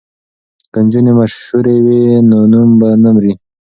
که نجونې مشهورې وي نو نوم به نه مري.